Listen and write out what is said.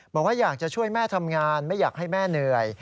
บอกว่าอยากจะช่วยแม่ทำงานไม่อยากให้แม่เหนื่อย